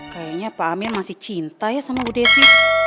kayaknya pak amir masih cinta ya sama bu devi